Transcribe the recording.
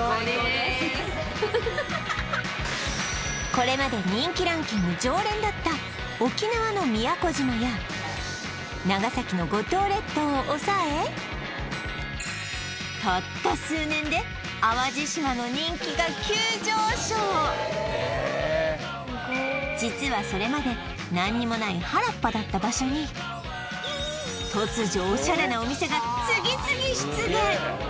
これまで人気ランキング常連だった沖縄の宮古島や長崎の五島列島をおさえたった数年で淡路島の人気が急上昇へえ実はそれまで何にもない原っぱだった場所に突如オシャレなお店が次々出現